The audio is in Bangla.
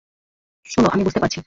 শুনো, আমি বুঝতে পারছি।